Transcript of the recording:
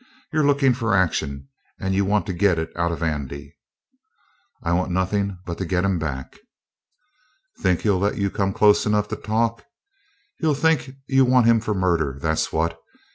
You're lookin' for action, and you want to get it out of Andy." "I want nothin' but to get him back." "Think he'll let you come close enough to talk? He'll think you want him for murder, that's what.